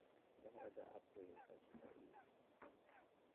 Olahraga apa yang kau sukai?